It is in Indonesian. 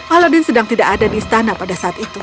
aladin sedang tidak ada di istana pada saat itu